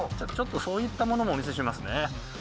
そういったものもお見せしますね。